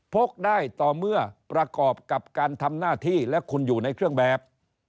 กได้ต่อเมื่อประกอบกับการทำหน้าที่และคุณอยู่ในเครื่องแบบ